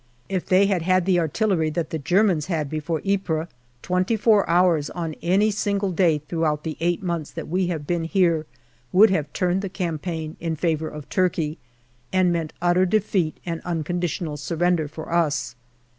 If they had had the artillery that the Germans had before Ypres, twenty four hours on any single day throughout the eight months that we have been here would have turned the campaign in favour of Turkey, and meant utter defeat and unconditional surrender for us.